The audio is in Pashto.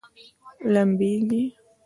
لمبیږي؟